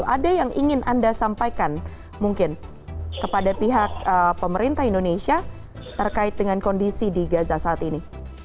ada yang ingin anda sampaikan mungkin kepada pihak pemerintah indonesia terkait dengan kondisi di gaza saat ini